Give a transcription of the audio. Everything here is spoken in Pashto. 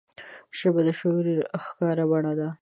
ژبه د شعور ښکاره بڼه ده